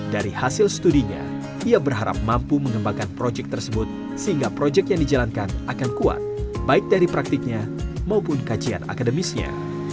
dari hasil studinya ia berharap mampu mengembangkan proyek tersebut sehingga proyek yang dijalankan akan kuat baik dari praktiknya maupun kajian akademisnya